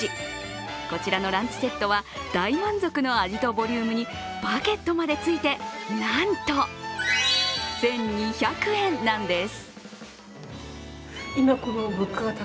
こちらのランチセットは大満足の味とボリュームにバゲットまでついて、なんと１２００円なんです。